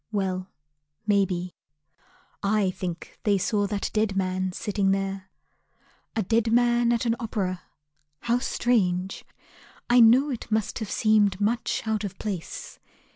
Well, may be. I think they saw that dead man sitting there. A dead man at an opera: how strange! I know it must have seemed much out of place.